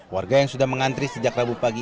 warga yang sudah mengantri sejak rabu pagi